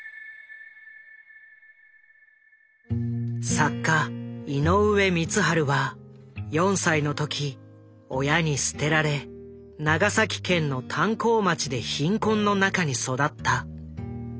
作家井上光晴は４歳の時親に捨てられ長崎県の炭鉱町で貧困の中に育った。